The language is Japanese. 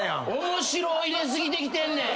面白入れ過ぎてきてんねん。